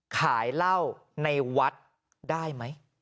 ขายเหล้าในวัดได้ไหม